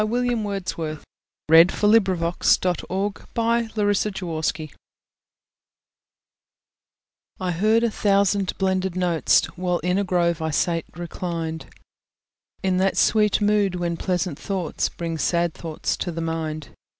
William Wordsworth Lines Written in Early Spring I HEARD a thousand blended notes, While in a grove I sate reclined, In that sweet mood when pleasant thoughts Bring sad thoughts to the mind.